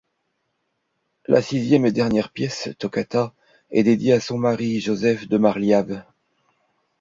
La sixième et dernière pièce, Toccata, est dédiée à son mari, Joseph de Marliave.